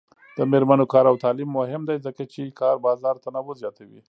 د میرمنو کار او تعلیم مهم دی ځکه چې کار بازار تنوع زیاتوي.